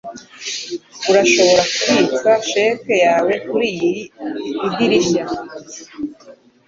Urashobora kubitsa cheque yawe kuriyi idirishya.